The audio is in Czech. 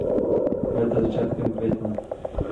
Kvete začátkem května.